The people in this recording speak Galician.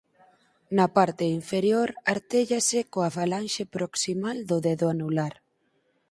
Na parte inferior artéllase coa falanxe proximal do dedo anular.